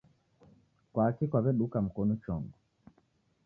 Kwaki kwaweduka mkonu chongo